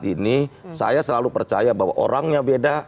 kalau dua ribu dua puluh empat ini saya selalu percaya bahwa orangnya beda